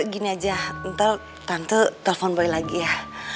gini aja entar tante telpon boy lagi ya